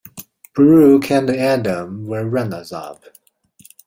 Brooke and Adam were runners-up.